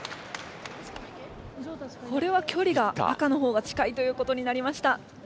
これはきょりが赤のほうが近いということになりました。